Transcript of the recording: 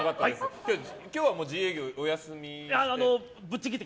今日は自営業お休みですね？